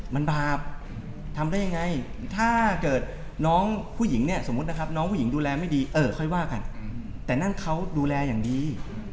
มันบาปทำได้ยังไงถ้าเกิดน้องผู้หญิงเนี่ยสมมุตินะครับน้องผู้หญิงดูแลไม่ดีเออค่อยว่ากันแต่นั่นเขาดูแลอย่างดี